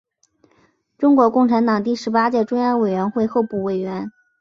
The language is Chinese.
中国共产党第十八届中央委员会候补委员。